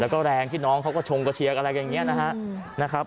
แล้วก็แรงที่น้องเขาก็ชงกระเชียกอะไรอย่างเงี้ยนะฮะนะครับ